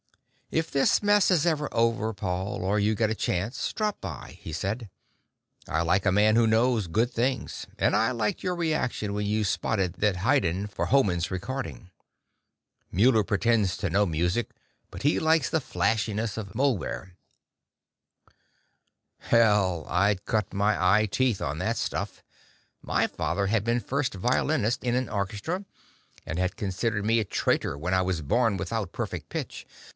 "If this mess is ever over, Paul, or you get a chance, drop down," he said. "I like a man who knows good things and I liked your reaction when you spotted that Haydn for Hohmann's recording. Muller pretends to know music, but he likes the flashiness of Möhlwehr." Hell, I'd cut my eye teeth on that stuff; my father had been first violinist in an orchestra, and had considered me a traitor when I was born without perfect pitch.